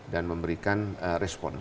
dan memberikan respon